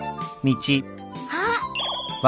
あっ！